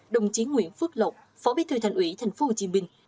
đồng chí nguyễn phước lộc phó bí thư thành ủy tp hcm